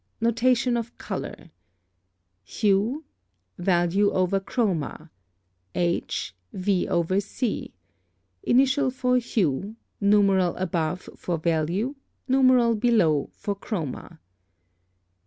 Notation of color. Value V Hue , H , Chroma C Initial for hue, numeral above for value, numeral below for chroma.